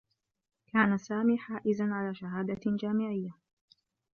كان سامي حائزا على شهادة جامعيّة.